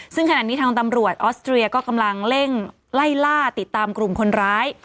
ซึ่งขณะนี้ทางตำรวจออสเตรียก็กำลังเร่งไล่ล่าติดตามกลุ่มคนร้าย